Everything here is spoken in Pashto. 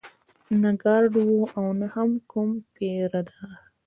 نه ګارډ و او نه هم کوم پيره دار.